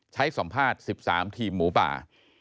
สัมภาษณ์๑๓ทีมหมูป่า